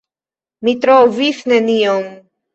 Mi trovis nenion.